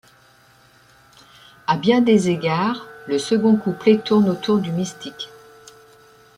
À bien des égards, le second couplet tourne autour du mystique.